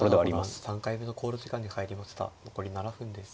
残り７分です。